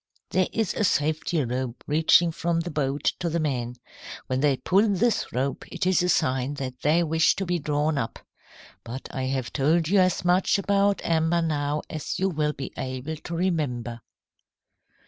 "There is a safety rope reaching from the boat to the men. When they pull this rope it is a sign that they wish to be drawn up. But I have told you as much about amber now as you will be able to remember."